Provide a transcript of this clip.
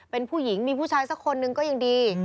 เป็นผู้หญิงมีผู้ชายสักคนนึงก็ยังดี